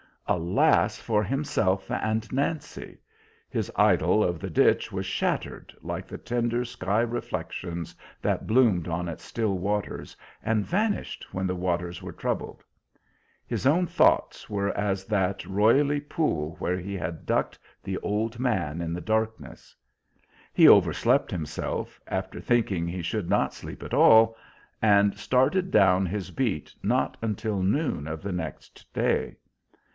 Alas for himself and Nancy! His idyl of the ditch was shattered like the tender sky reflections that bloomed on its still waters, and vanished when the waters were troubled. His own thoughts were as that roily pool where he had ducked the old man in the darkness. He overslept himself, after thinking he should not sleep at all, and started down his beat not until noon of the next day.